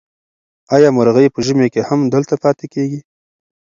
آیا مرغۍ په ژمي کې هم دلته پاتې کېږي؟